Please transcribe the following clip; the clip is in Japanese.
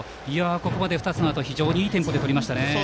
ここまで２つのアウトを非常にいいテンポでとりました。